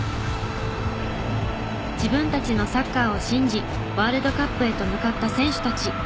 自分たちのサッカーを信じワールドカップへと向かった選手たち。